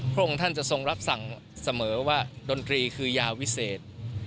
พระองค์ท่านจะทรงรับสั่งเสมอว่าดนตรีคือยาวิเศษ